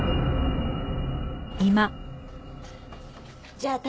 じゃあ私